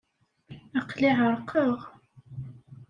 Aql-i ɛerqeɣ.